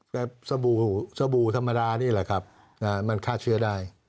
แต่สบู่ธรรมดานี่แหละครับมันฆ่าเชื้อได้